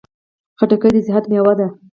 خټکی د صحت مېوه ده.